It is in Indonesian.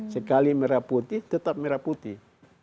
sekali merah putih tetap merah putih